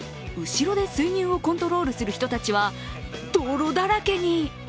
後ろで水牛をコントロールする人たちは泥だらけに。